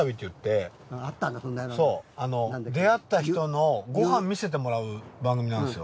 そう出会った人のご飯見せてもらう番組なんですよ。